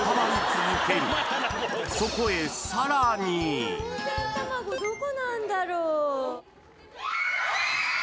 そこへ温泉卵どこなんだろう？